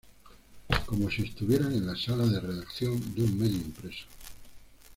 Como si estuvieran en la sala de redacción de un medio impreso.